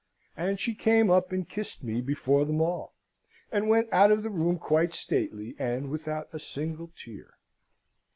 And she came up and kissed me before them all, and went out of the room quite stately, and without a single tear.